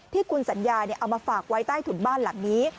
ที่คุณสัญญาเอามาฝากไว้ใต้ถุนบ้านหลังนี้